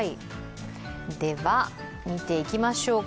では見ていきましょうか。